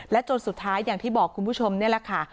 จนสุดท้ายอย่างที่บอกคุณผู้ชมนี่แหละค่ะ